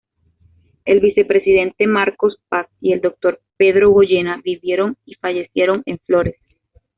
El vicepresidente Marcos Paz y el doctor Pedro Goyena vivieron y fallecieron en Flores.